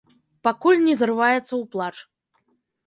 Пакуль не зрываецца ў плач.